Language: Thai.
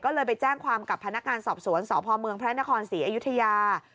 ก็เลยไปแจ้งความกับพนักงานสอบสวนสพเมืองพระนครศรีอยุธยา